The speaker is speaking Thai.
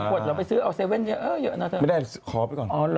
๔ขวดเราไปซื้อเอา๗น้อยเยอะแน่ะเดี๋ยวเธอขอไปก่อน